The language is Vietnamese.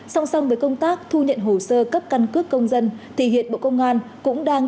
song song với công tác thu nhận hồ sơ cấp căn cước công dân thì hiện bộ công an cũng đang